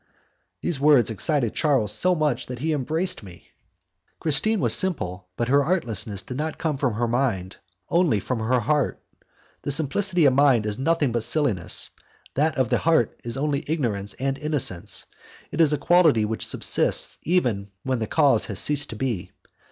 These words excited Charles so much that he embraced me! Christine was simple, but her artlessness did not come from her mind, only from her heart. The simplicity of mind is nothing but silliness, that of the heart is only ignorance and innocence; it is a quality which subsists even when the cause has ceased to be.